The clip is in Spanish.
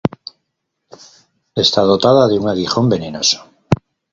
Está dotada de un aguijón venenoso.